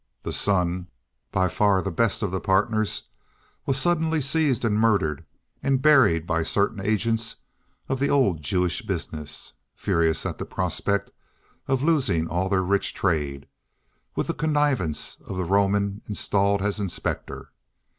The Son, by far the best of the partners, was suddenly seized and murdered and buried by certain agents of the old Jewish business (furious at the prospect of losing all their rich trade), with the connivance of the Roman installed as inspector.